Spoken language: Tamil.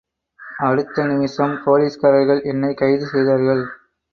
அடுத்த நிமிஷம் போலீஸ்காரர்கள் என்னைக் கைது செய்தார்கள்.